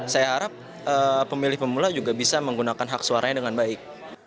saya harap pemilih pemula juga bisa menggunakan hak suaranya dengan baik